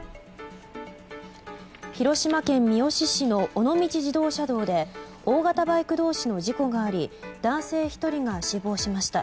広島県三次市の尾道自動車道で大型バイク同士の事故があり男性１人が死亡しました。